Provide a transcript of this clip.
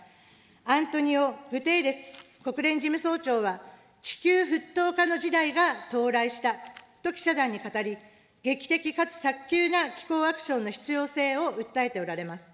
アントニオ・グテーレス国連事務総長は地球沸騰化の時代が到来したと記者団に語り、劇的かつ早急な気候アクションの必要性を訴えておられます。